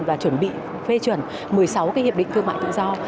và chuẩn bị phê chuẩn một mươi sáu cái hiệp định thương mại tự do